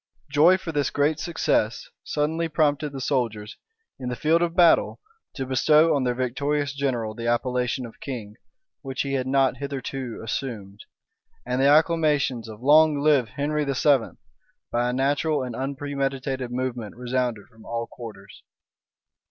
Joy for this great success suddenly prompted the soldiers, in the field of battle, to bestow on their victorious general the appellation of king, which he had not hitherto assumed; and the acclamations of "Long live Henry VII.," by a natural and unpremeditated movement, resounded from all quarters.